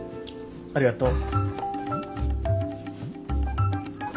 ありがとう。